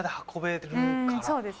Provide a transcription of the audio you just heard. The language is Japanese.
そうです。